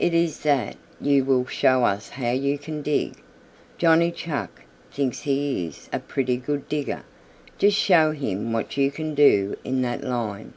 It is that you will show us how you can dig. Johnny Chuck thinks he is a pretty good digger. Just show him what you can do in that line."